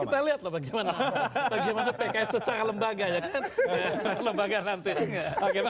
kita lihat loh bagaimana pks secara lembaga ya kan